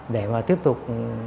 để mà tiếp tục